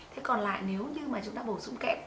thế còn lại nếu như mà chúng ta bổ sung kẹp